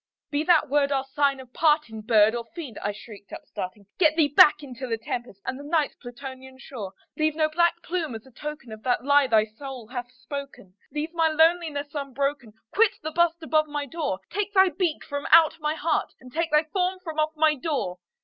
"Be that word our sign of parting, bird or fiend!" I shrieked, upstarting, "Get thee back into the tempest and the Night's Plutonian shore! Leave no black plume as a token of that lie thy soul hath spoken! Leave my loneliness unbroken! quit the bust above my door! Take thy beak from out my heart, and take thy form from off my door!"